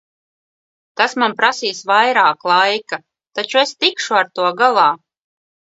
Tas man prasīs vairāk laika, taču es tikšu ar to galā.